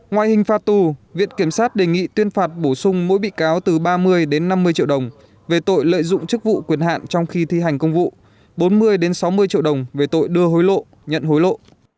ngoài hình phạt tù viện kiểm sát đề nghị tuyên phạt bổ sung mỗi bị cáo từ ba mươi đến năm mươi triệu đồng về tội lợi dụng chức vụ quyền hạn trong khi thi hành công vụ bốn mươi sáu mươi triệu đồng về tội đưa hối lộ nhận hối lộ